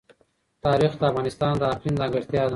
تاریخ د افغانستان د اقلیم ځانګړتیا ده.